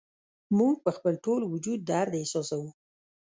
موږ په خپل ټول وجود درد احساسوو